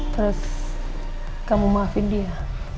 terus kamu maafin dia